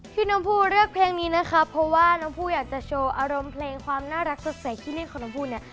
น้องภูเลือกเพลงนี้นะครับเพราะว่าน้องภูอยากจะโชว์อารมณ์เพลงความน่ารักสดใสที่นี่ของน้องภูเนี่ย